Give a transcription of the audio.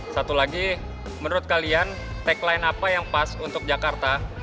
satu lagi menurut kalian tagline apa yang pas untuk jakarta